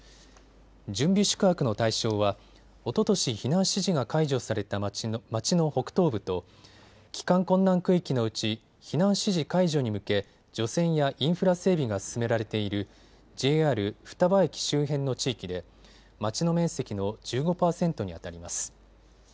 準備宿泊の対象はおととし避難指示が解除された町の北東部と帰還困難区域のうち避難指示解除に向け除染やインフラ整備が進められているＪＲ双葉駅周辺の地域で町の面積の１５％にあたります。